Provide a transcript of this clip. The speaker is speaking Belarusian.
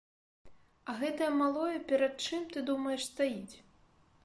А гэтае малое перад чым, ты думаеш, стаіць?